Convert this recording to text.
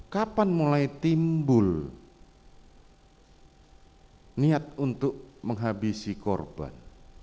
kapan mulai timbul niat untuk menghabisi korban